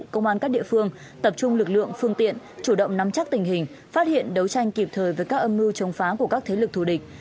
công an các địa phương tập trung lực lượng phương tiện chủ động nắm chắc tình hình phát hiện đấu tranh kịp thời với các âm mưu chống phá của các thế lực thù địch